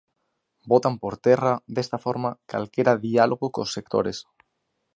Botan por terra, desta forma, calquera diálogo cos sectores.